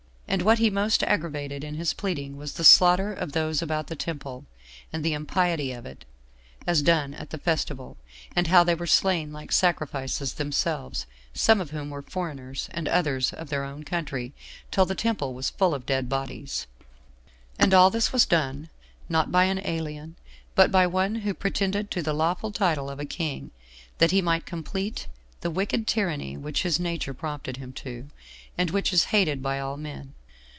And what he most aggravated in his pleading was the slaughter of those about the temple, and the impiety of it, as done at the festival; and how they were slain like sacrifices themselves, some of whom were foreigners, and others of their own country, till the temple was full of dead bodies: and all this was done, not by an alien, but by one who pretended to the lawful title of a king, that he might complete the wicked tyranny which his nature prompted him to, and which is hated by all men.